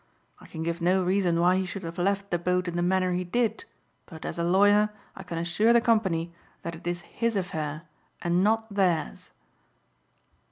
I can give no reason why he should have left the boat in the manner he did but as a lawyer I can assure the company that it is his affair and not theirs."